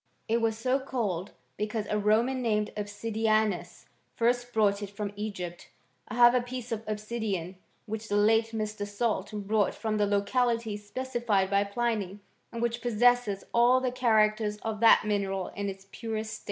It was so called because a Roman named Obsidianus first brought it from Egypt. I have a piece of obsidian, which the late Mr. Salt brought from the locality specified by Pliny, and which possesses all the characters of that mineral in its purest state.